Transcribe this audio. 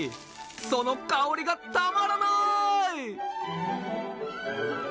その香りがたまらない！